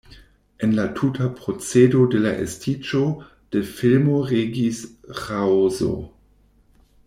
En la tuta procedo de la estiĝo de filmo regis ĥaoso.